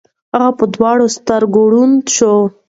هغه په دواړو سترګو ړوند شو.